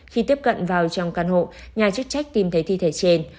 khi tiếp cận vào trong căn hộ nhà chức trách tìm thấy thi thể trên